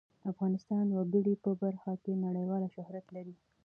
افغانستان د وګړي په برخه کې نړیوال شهرت لري.